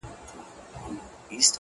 تا پر اوږده ږيره شراب په خرمستۍ توی کړل~